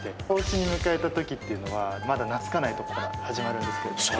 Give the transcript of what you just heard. おうちに迎えた時っていうのはまだ懐かないとこから始まるんですけれども。